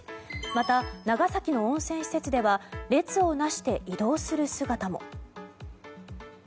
また、長崎の温泉施設では列を成して移動する姿も。